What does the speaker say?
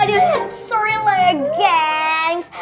aduh sorry lah ya gengs